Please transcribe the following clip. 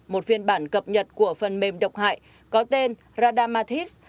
một phiên bản cập nhật của phần mềm độc hại có tên radamathis